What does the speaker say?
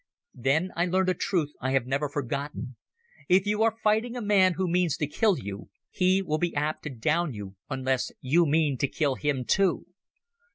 Then I learned a truth I have never forgotten. If you are fighting a man who means to kill you, he will be apt to down you unless you mean to kill him too.